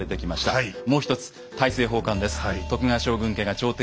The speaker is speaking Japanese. もう一つ「大政奉還」です。